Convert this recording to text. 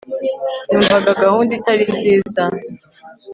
numvaga gahunda itari nziza